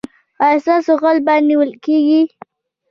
ایا ستاسو غل به نیول کیږي؟